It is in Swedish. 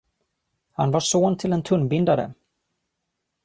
Han var son till en tunnbindare.